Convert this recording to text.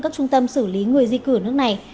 các trung tâm xử lý người di cư ở nước này